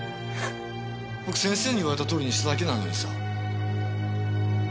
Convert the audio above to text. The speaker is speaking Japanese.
僕先生に言われたとおりにしただけなのにさ。